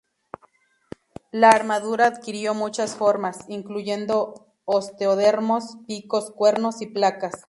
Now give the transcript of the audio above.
La armadura adquirió muchas formas, incluyendo osteodermos, picos, cuernos y placas.